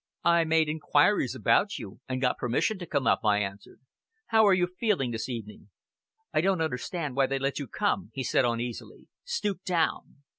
"I made inquiries about you, and got permission to come up," I answered. "How are you feeling this evening?" "I don't understand why they let you come," he said uneasily. "Stoop down!"